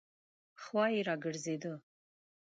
خوا یې راګرځېده.